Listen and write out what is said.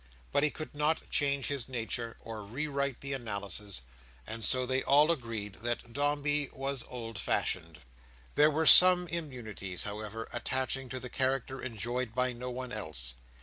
But he could not change his nature, or rewrite the analysis; and so they all agreed that Dombey was old fashioned. There were some immunities, however, attaching to the character enjoyed by no one else.